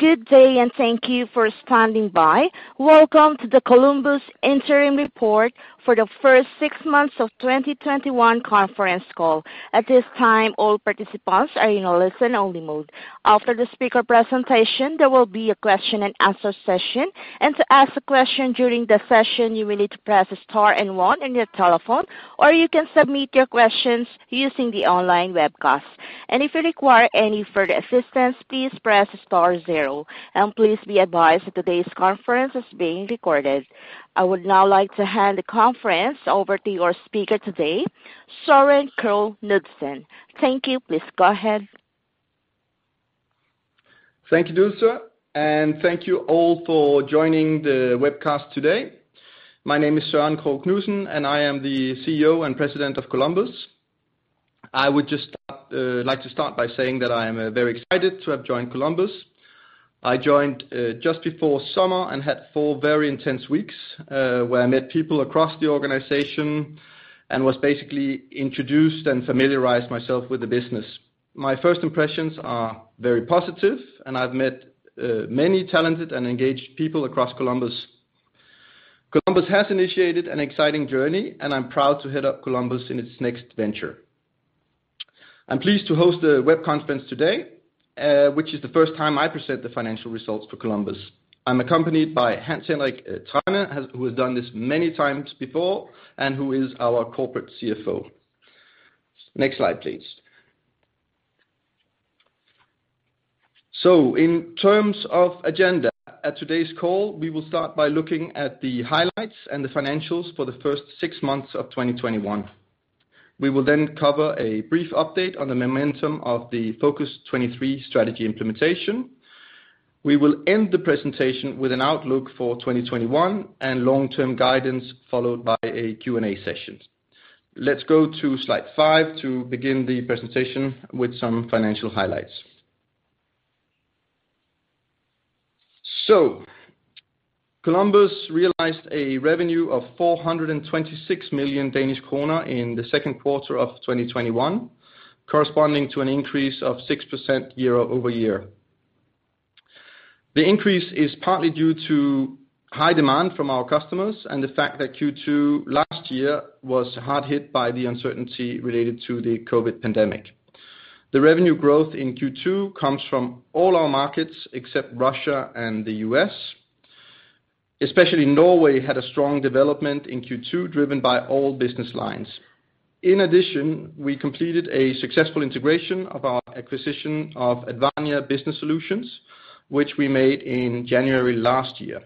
Good day and thank you for standing by. Welcome to the Columbus Interim Report for the first six months of 2021 conference call. At this time, all participants are in listen-only mode. For the speaker presentation, there will be a question-and-answer session. To ask a question during the session, you may need to press star one on your telephone, or you can submit your questions using the online webcast. And if you require any further assistance, please press star zero. And please be advised the today's conference is being recorded. I would now like to hand the conference over to your speaker today, Søren Krogh Knudsen. Thank you. Please go ahead. Thank you, Dulce, and thank you all for joining the webcast today. My name is Søren Krogh Knudsen, and I am the CEO and President of Columbus. I would just like to start by saying that I am very excited to have joined Columbus. I joined just before summer and had four very intense weeks, where I met people across the organization and was basically introduced and familiarized myself with the business. My first impressions are very positive, and I've met many talented and engaged people across Columbus. Columbus has initiated an exciting journey, and I'm proud to head up Columbus in its next venture. I'm pleased to host the web conference today, which is the first time I present the financial results for Columbus. I'm accompanied by Hans Henrik Thrane, who has done this many times before and who is our Corporate CFO. Next slide, please. In terms of agenda at today's call, we will start by looking at the highlights and the financials for the first six months of 2021. We will cover a brief update on the momentum of the Focus23 strategy implementation. We will end the presentation with an outlook for 2021 and long-term guidance, followed by a Q&A session. Let's go to slide five to begin the presentation with some financial highlights. Columbus realized a revenue of 426 million Danish kroner in the second quarter of 2021, corresponding to an increase of 6% year-over-year. The increase is partly due to high demand from our customers and the fact that Q2 last year was hard hit by the uncertainty related to the COVID pandemic. The revenue growth in Q2 comes from all our markets except Russia and the U.S. Especially Norway had a strong development in Q2, driven by all business lines. In addition, we completed a successful integration of our acquisition of Advania Business Solutions, which we made in January last year.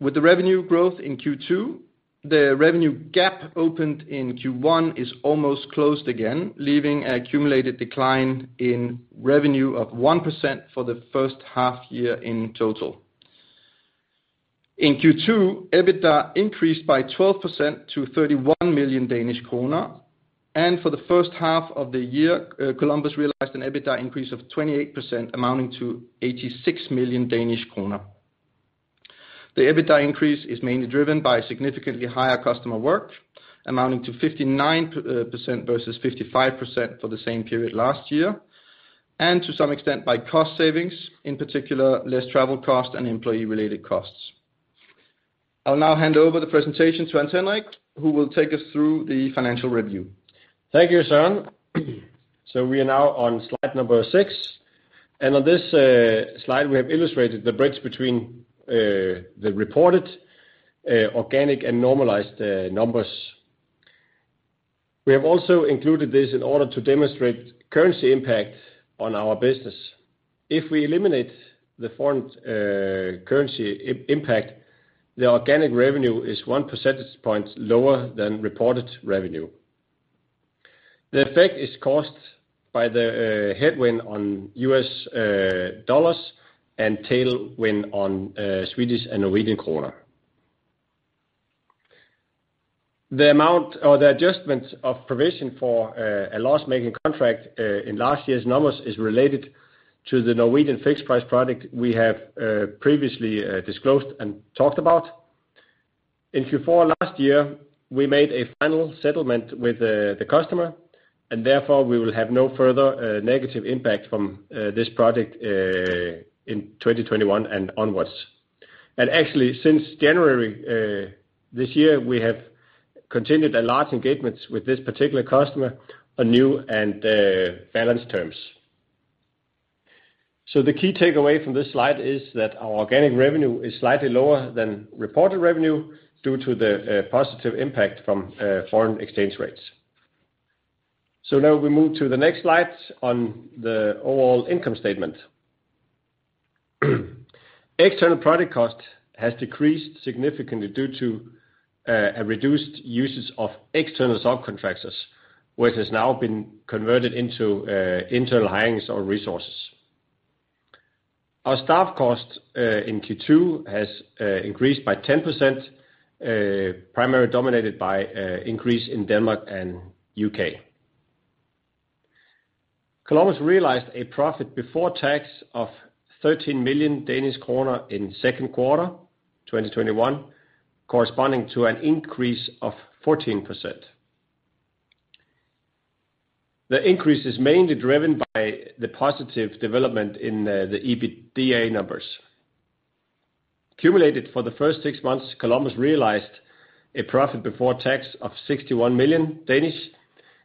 With the revenue growth in Q2, the revenue gap opened in Q1 is almost closed again, leaving an accumulated decline in revenue of 1% for the first half year in total. In Q2, EBITDA increased by 12% to 31 million Danish kroner, and for the first half of the year, Columbus realized an EBITDA increase of 28%, amounting to 86 million Danish kroner. The EBITDA increase is mainly driven by significantly higher customer work, amounting to 59% versus 55% for the same period last year, and to some extent by cost savings, in particular, less travel cost and employee-related costs. I'll now hand over the presentation to Hans Henrik, who will take us through the financial review. Thank you, Søren. We are now on slide number six, and on this slide, we have illustrated the bridge between the reported organic and normalized numbers. We have also included this in order to demonstrate currency impact on our business. If we eliminate the foreign currency impact, the organic revenue is 1 percentage point lower than reported revenue. The effect is caused by the headwind on U.S. dollars and tailwind on Swedish and Norwegian kroner. The amount or the adjustment of provision for a loss-making contract in last year's numbers is related to the Norwegian fixed price product we have previously disclosed and talked about. In Q4 last year, we made a final settlement with the customer, and therefore, we will have no further negative impact from this project in 2021 and onwards. Actually, since January this year, we have continued a large engagement with this particular customer on new and balanced terms. The key takeaway from this slide is that our organic revenue is slightly lower than reported revenue due to the positive impact from foreign exchange rates. Now we move to the next slide on the overall income statement. External product cost has decreased significantly due to a reduced usage of external subcontractors, which has now been converted into internal hirings of resources. Our staff cost in Q2 has increased by 10%, primarily dominated by an increase in Denmark and U.K. Columbus realized a profit before tax of 13 million Danish kroner in second quarter 2021, corresponding to an increase of 14%. The increase is mainly driven by the positive development in the EBITDA numbers. Accumulated for the first six months, Columbus realized a profit before tax of 61 million,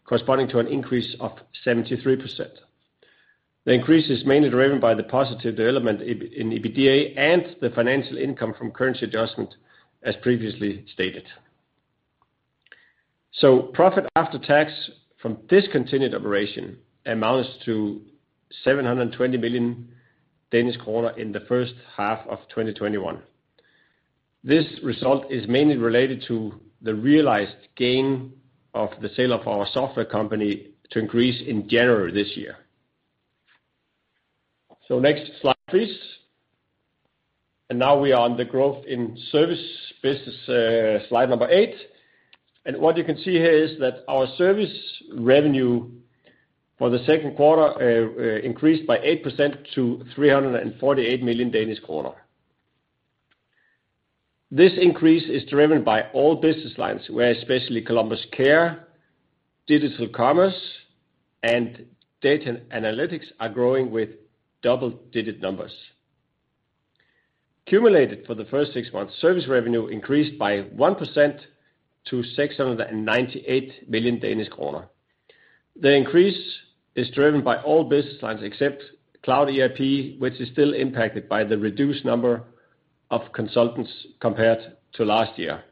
corresponding to an increase of 73%. The increase is mainly driven by the positive development in EBITDA and the financial income from currency adjustment, as previously stated. Profit after tax from discontinued operation amounts to 720 million Danish kroner in the first half of 2021. This result is mainly related to the realized gain of the sale of our software company To-Increase in January this year. Next slide, please. Now we are on the growth in service business, slide number eight, and what you can see here is that our service revenue for the second quarter increased by 8% to 348 million Danish kroner. This increase is driven by all business lines, where especially Columbus Care, Digital Commerce, and Data & Analytics are growing with double-digit numbers. Accumulated for the first six months, service revenue increased by 1% to 698 million Danish kroner. The increase is driven by all business lines except Cloud ERP, which is still impacted by the reduced number of consultants compared to last year.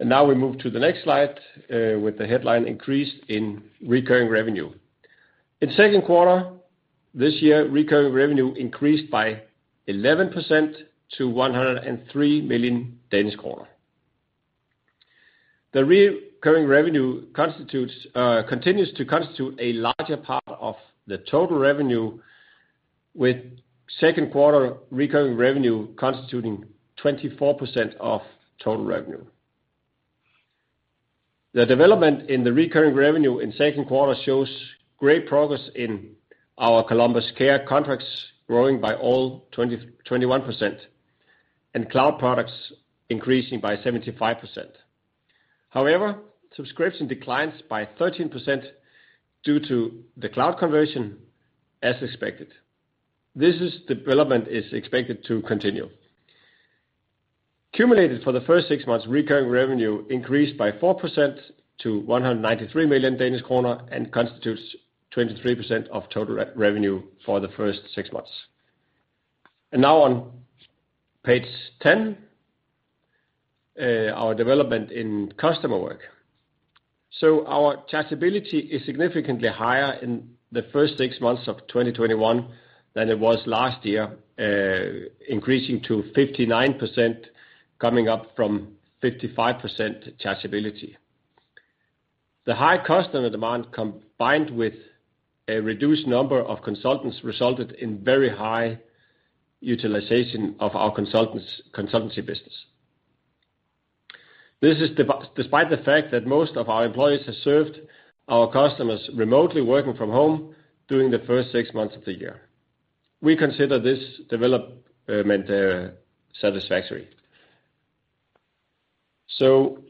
Now we move to the next slide, with the headline Increase in Recurring Revenue. In second quarter this year, recurring revenue increased by 11% to 103 million Danish kroner. The recurring revenue continues to constitute a larger part of the total revenue, with second quarter recurring revenue constituting 24% of total revenue. The development in the recurring revenue in second quarter shows great progress in our Columbus Care contracts, growing by all 21%, and cloud products increasing by 75%. However, subscription declines by 13% due to the cloud conversion as expected. This development is expected to continue. Accumulated for the first six months, recurring revenue increased by 4% to 193 million Danish kroner and constitutes 23% of total revenue for the first six months. Now on page 10, our development in customer work. Our chargeability is significantly higher in the first six months of 2021 than it was last year, increasing to 59%, coming up from 55% chargeability. The high customer demand, combined with a reduced number of consultants, resulted in very high utilization of our consultancy business. This is despite the fact that most of our employees have served our customers remotely working from home during the first six months of the year. We consider this development satisfactory.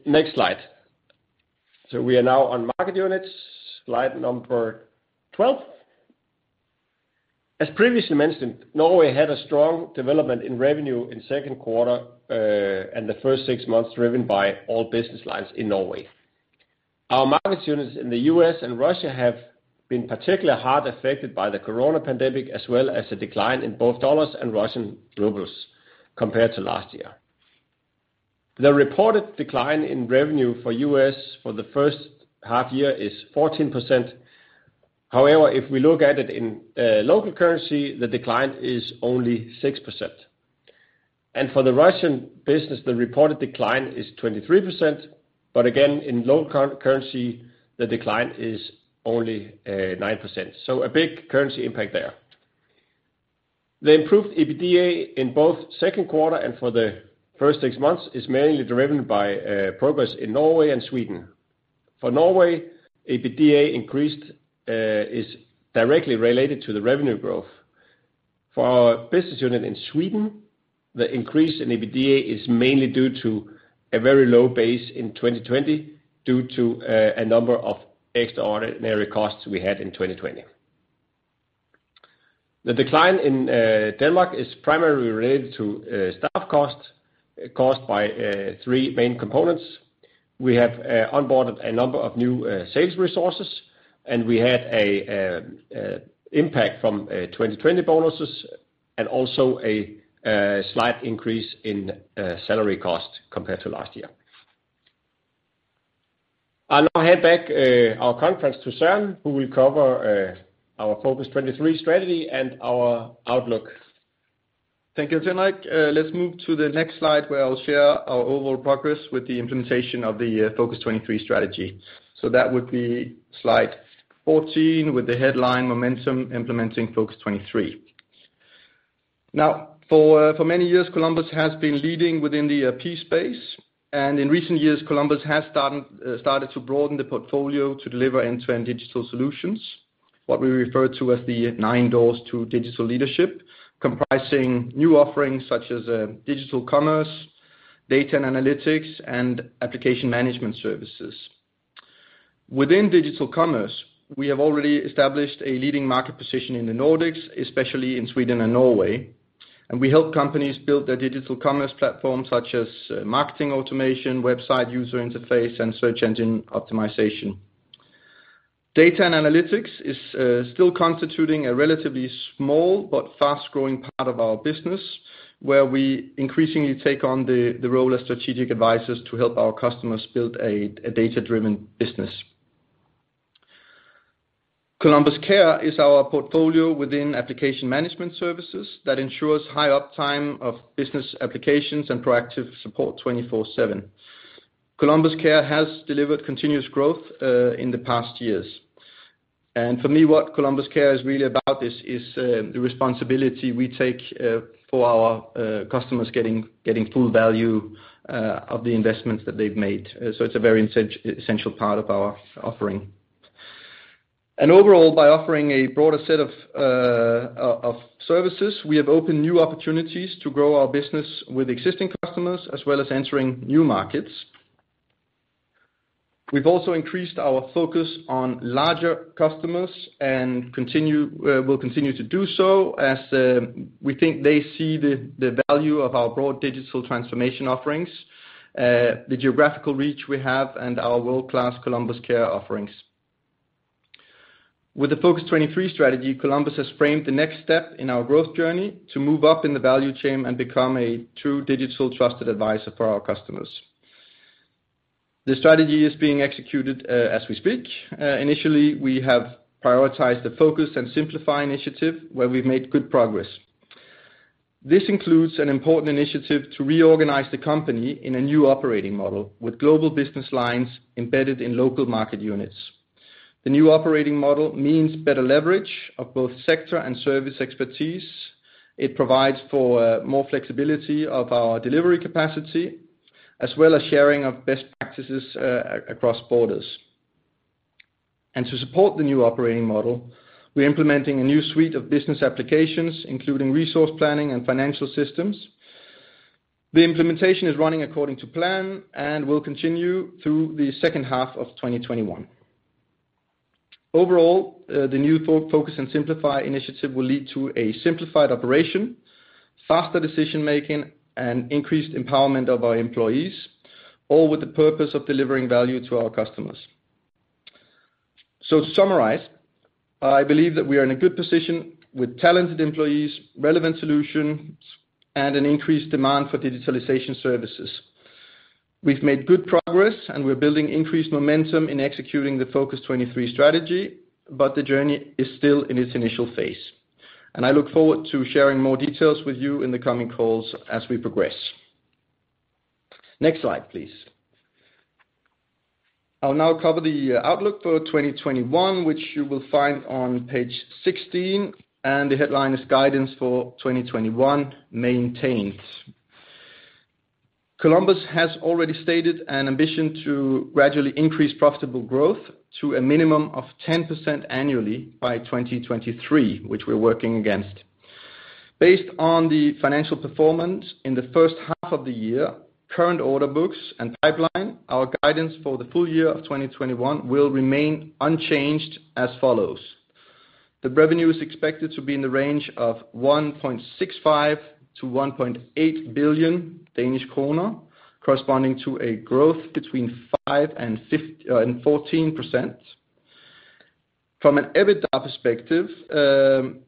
Next slide. We are now on market units, slide number 12. As previously mentioned, Norway had a strong development in revenue in Q2 and the six months driven by all business lines in Norway. Our market units in the U.S. and Russia have been particularly hard affected by the coronavirus pandemic, as well as a decline in both dollars and Russian rubles compared to last year. The reported decline in revenue for U.S. for the first half year is 14%. However, if we look at it in local currency, the decline is only 6%. For the Russian business, the reported decline is 23%. Again, in local currency, the decline is only 9%. A big currency impact there. The improved EBITDA in both Q2 and for the six months is mainly driven by progress in Norway and Sweden. For Norway, EBITDA increase is directly related to the revenue growth. For our business unit in Sweden, the increase in EBITDA is mainly due to a very low base in 2020 due to a number of extraordinary costs we had in 2020. The decline in Denmark is primarily related to staff costs, caused by three main components. We have onboarded a number of new sales resources, and we had an impact from 2020 bonuses, and also a slight increase in salary costs compared to last year. I'll now hand back our conference to Søren, who will cover our Focus23 strategy and our outlook. Thank you, Henrik. Let's move to the next slide, where I'll share our overall progress with the implementation of the Focus23 strategy. That would be slide 14 with the headline Momentum: Implementing Focus23. For many years, Columbus has been leading within the ERP space, and in recent years, Columbus has started to broaden the portfolio to deliver end-to-end digital solutions. What we refer to as the nine Doors to Digital Leadership, comprising new offerings such as Digital Commerce, Data & Analytics, and application management services. Within Digital Commerce, we have already established a leading market position in the Nordics, especially in Sweden and Norway, and we help companies build their digital commerce platform, such as marketing automation, website user interface, and search engine optimization. Data & Analytics is still constituting a relatively small but fast-growing part of our business, where we increasingly take on the role of strategic advisors to help our customers build a data-driven business. Columbus Care is our portfolio within application management services that ensures high uptime of business applications and proactive support 24/7. Columbus Care has delivered continuous growth in the past years. For me, what Columbus Care is really about is the responsibility we take for our customers getting full value of the investments that they've made. It's a very essential part of our offering. Overall, by offering a broader set of services, we have opened new opportunities to grow our business with existing customers, as well as entering new markets. We've also increased our focus on larger customers and will continue to do so as we think they see the value of our broad digital transformation offerings, the geographical reach we have, and our world-class Columbus Care offerings. With the Focus23 strategy, Columbus has framed the next step in our growth journey to move up in the value chain and become a true digital trusted advisor for our customers. The strategy is being executed as we speak. Initially, we have prioritized the Focus and Simplify initiative, where we've made good progress. This includes an important initiative to reorganize the company in a new operating model with global business lines embedded in local market units. The new operating model means better leverage of both sector and service expertise. It provides for more flexibility of our delivery capacity, as well as sharing of best practices across borders. To support the new operating model, we're implementing a new suite of business applications, including resource planning and financial systems. The implementation is running according to plan and will continue through the second half of 2021. Overall, the new Focus and Simplify initiative will lead to a simplified operation, faster decision-making, and increased empowerment of our employees, all with the purpose of delivering value to our customers. To summarize, I believe that we are in a good position with talented employees, relevant solutions, and an increased demand for digitalization services. We've made good progress, and we're building increased momentum in executing the Focus23 strategy, but the journey is still in its initial phase. I look forward to sharing more details with you in the coming calls as we progress. Next slide, please. I'll now cover the outlook for 2021, which you will find on page 16, and the headline is Guidance for 2021 Maintained. Columbus has already stated an ambition to gradually increase profitable growth to a minimum of 10% annually by 2023, which we're working against. Based on the financial performance in the first half of the year, current order books and pipeline, our guidance for the full year of 2021 will remain unchanged as follows. The revenue is expected to be in the range of 1.65 billion-1.8 billion Danish kroner, corresponding to a growth between 5%-14%. From an EBITDA perspective, the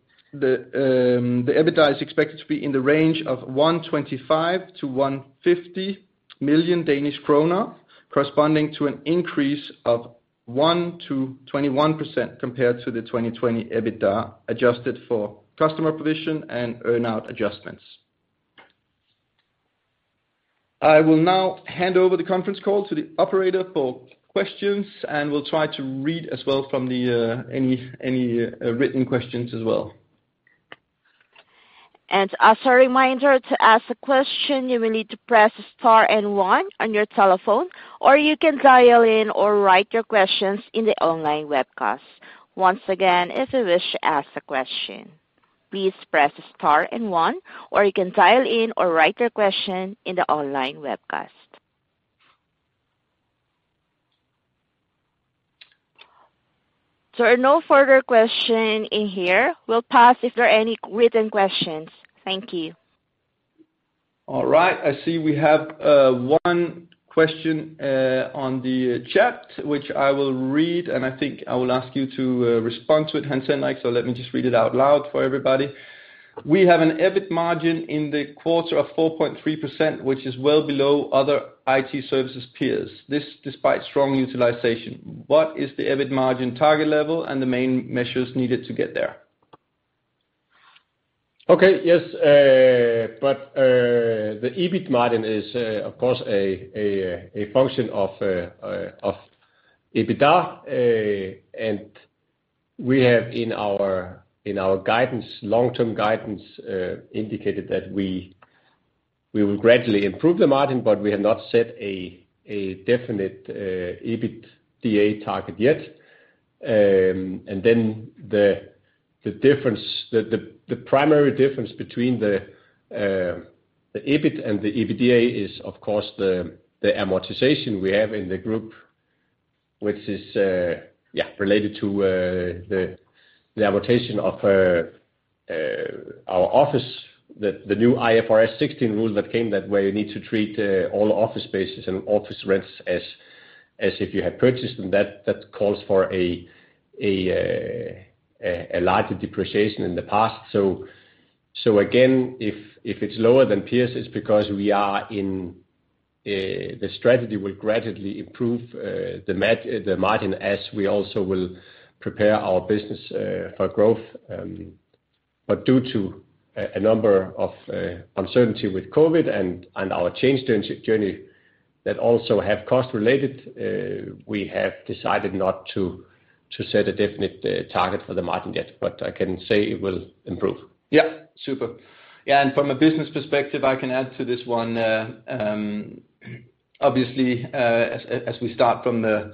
EBITDA is expected to be in the range of 125 million-150 million Danish kroner, corresponding to an increase of 1%-21% compared to the 2020 EBITDA, adjusted for customer provision and earn-out adjustments. I will now hand over the conference call to the operator for questions, and we'll try to read as well from any written questions as well. As a reminder, to ask a question, you will need to press star and one on your telephone, or you can dial in or write your questions in the online webcast. Once again, if you wish to ask a question, please press star and one, or you can dial in or write your question in the online webcast. No further question in here. We'll pause if there are any written questions. Thank you. All right. I see we have one question on the chat, which I will read, and I think I will ask you to respond to it, Hans Henrik Thrane. Let me just read it out loud for everybody. We have an EBIT margin in the quarter of 4.3%, which is well below other IT services peers. This despite strong utilization. What is the EBIT margin target level and the main measures needed to get there? Okay. Yes. The EBIT margin is, of course, a function of EBITDA. We have, in our long-term guidance, indicated that We will gradually improve the margin, but we have not set a definite EBITDA target yet. The primary difference between the EBIT and the EBITDA is, of course, the amortization we have in the group, which is related to the amortization of our office, the new IFRS 16 rule that came that where you need to treat all office spaces and office rents as if you had purchased them. That calls for a larger depreciation in the past. Again, if it's lower than peers, it's because the strategy will gradually improve the margin as we also will prepare our business for growth. Due to a number of uncertainty with COVID and our change journey that also have cost related, we have decided not to set a definite target for the margin yet, but I can say it will improve. Yeah. Super. From a business perspective, I can add to this one. Obviously, as we start from the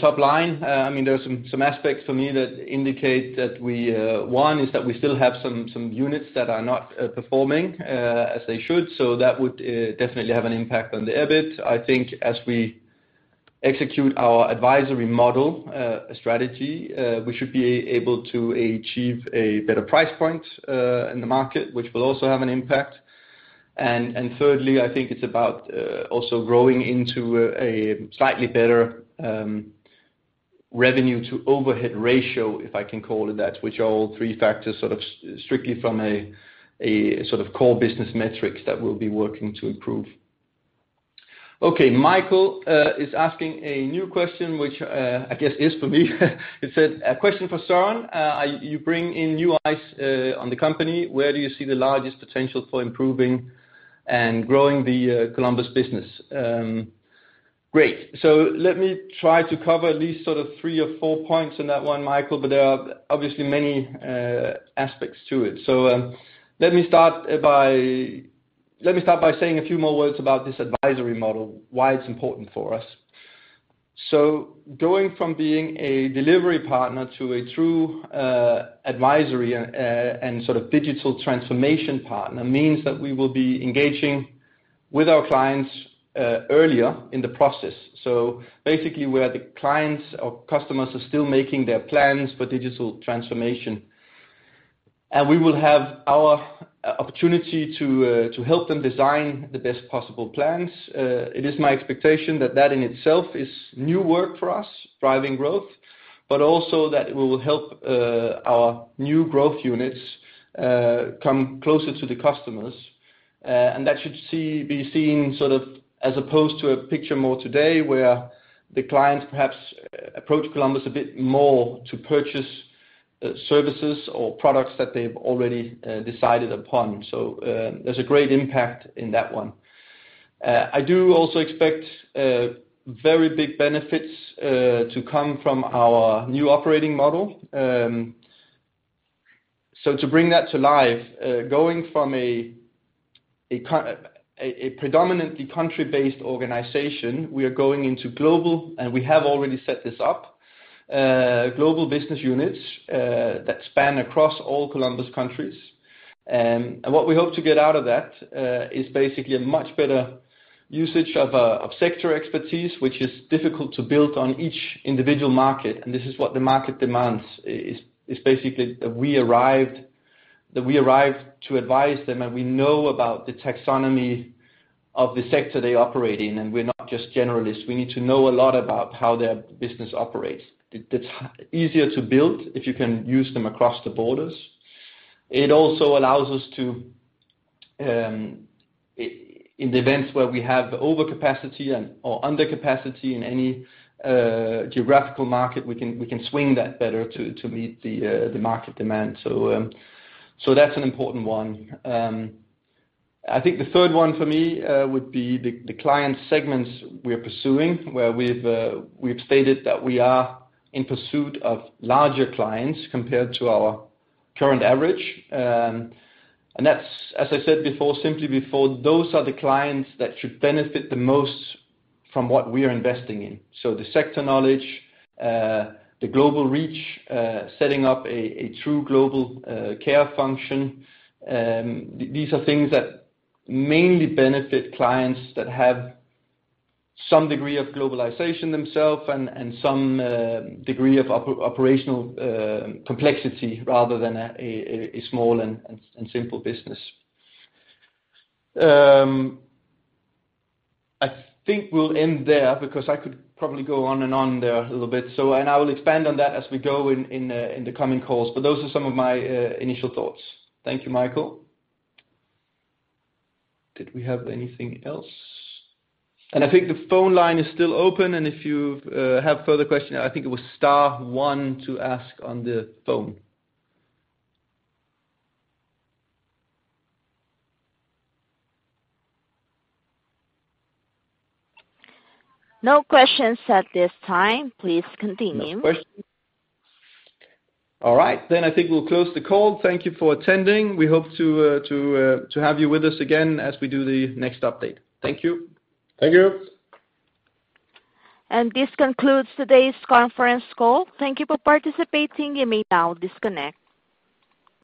top line, there are some aspects for me that indicate that one, is that we still have some units that are not performing as they should. That would definitely have an impact on the EBIT. I think as we execute our advisory model strategy, we should be able to achieve a better price point in the market, which will also have an impact. Thirdly, I think it's about also growing into a slightly better revenue to overhead ratio, if I can call it that, which are all three factors sort of strictly from a sort of core business metrics that we'll be working to improve. Michael is asking a new question, which I guess is for me. It says, "A question for Søren. You bring in new eyes on the company. Where do you see the largest potential for improving and growing the Columbus business?" Great. Let me try to cover at least sort of three or four points on that one, Michael, but there are obviously many aspects to it. Let me start by saying a few more words about this advisory model, why it's important for us. Going from being a delivery partner to a true advisory and sort of digital transformation partner means that we will be engaging with our clients earlier in the process. Basically, where the clients or customers are still making their plans for digital transformation. We will have our opportunity to help them design the best possible plans. It is my expectation that that in itself is new work for us, driving growth, but also that it will help our new growth units come closer to the customers. That should be seen sort of as opposed to a picture more today where the clients perhaps approach Columbus a bit more to purchase services or products that they've already decided upon. There's a great impact in that one. I do also expect very big benefits to come from our new operating model. To bring that to life, going from a predominantly country-based organization, we are going into global, and we have already set this up, global business units that span across all Columbus countries. What we hope to get out of that is basically a much better usage of sector expertise, which is difficult to build on each individual market. This is what the market demands, is basically that we arrive to advise them, and we know about the taxonomy of the sector they operate in, and we're not just generalists. We need to know a lot about how their business operates. It's easier to build if you can use them across the borders. It also allows us to, in the events where we have overcapacity or under capacity in any geographical market, we can swing that better to meet the market demand. That's an important one. I think the third one for me would be the client segments we're pursuing, where we've stated that we are in pursuit of larger clients compared to our current average. That's, as I said before, simply before, those are the clients that should benefit the most from what we are investing in. The sector knowledge, the global reach, setting up a true global care function. These are things that mainly benefit clients that have some degree of globalization themselves and some degree of operational complexity rather than a small and simple business. I think we'll end there because I could probably go on and on there a little bit. I will expand on that as we go in the coming calls. Those are some of my initial thoughts. Thank you, Michael. Did we have anything else? I think the phone line is still open, and if you have further questions, I think it was star one to ask on the phone. No questions at this time. Please continue. No questions. All right. I think we'll close the call. Thank you for attending. We hope to have you with us again as we do the next update. Thank you. Thank you. This concludes today's conference call. Thank you for participating. You may now disconnect.